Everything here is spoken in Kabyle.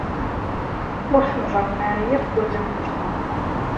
Ur ten-ẓerren ara akk warraw-nsen.